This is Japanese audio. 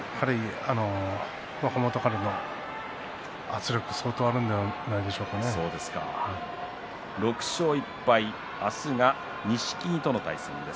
若元春の圧力６勝１敗、明日は錦木との対戦です。